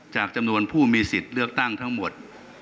จำนวนผู้มีสิทธิ์เลือกตั้งทั้งหมด